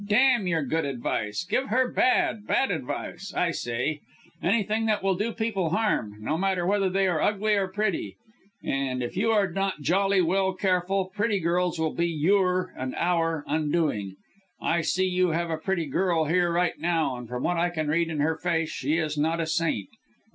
Damn your good advice, give bad bad advice, I say; anything that will do people harm no matter whether they are ugly or pretty and if you are not jolly well careful, pretty girls will be your and our undoing. I see you have a pretty girl here now and from what I can read in her face, she is not a saint.